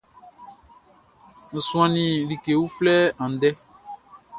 N suannin like uflɛ andɛ.